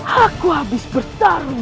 aku habis bertarung